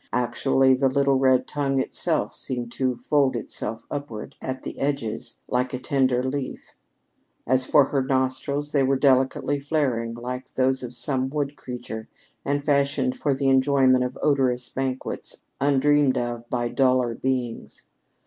Actually, the little red tongue itself seemed to fold itself upward, at the edges, like a tender leaf. As for her nostrils, they were delicately flaring like those of some wood creature, and fashioned for the enjoyment of odorous banquets undreamed of by duller beings.